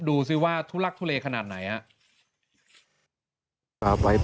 ดูซิว่าทุลักษณ์ทุเลขนาดไหน